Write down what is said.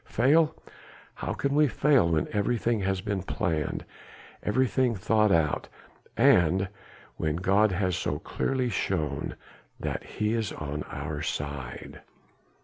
Fail? How can we fail when everything has been planned, everything thought out? and when God has so clearly shown that He is on our side?"